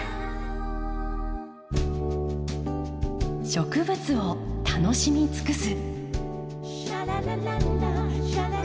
植物を楽しみ尽くす。